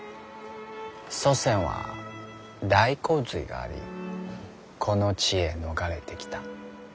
祖先は大洪水がありこの地へ逃れてきた。